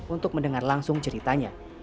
untuk mendengar langsung ceritanya